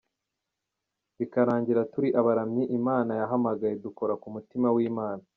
bikarangira, turi abaramyi Imana yahamagaye dukora ku mutima w’Imana.